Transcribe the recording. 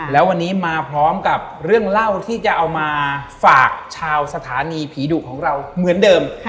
แล้ววันนี้มาพร้อมกับเรื่องเล่าที่จะเอามาฝากชาวสถานีผีดุของเราเหมือนเดิม